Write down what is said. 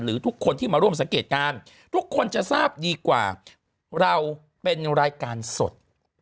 ทุกคนที่มาร่วมสังเกตการณ์ทุกคนจะทราบดีกว่าเราเป็นรายการสด